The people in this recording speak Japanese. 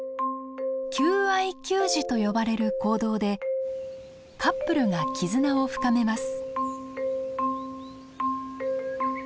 「求愛給餌」と呼ばれる行動でカップルが絆を深めます。